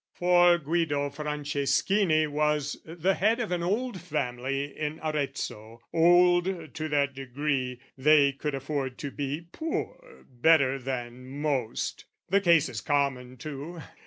For, Guido Franceschini was the head Of an old family in Arezzo, old To that degree they could afford be poor Better than most: the case is common too.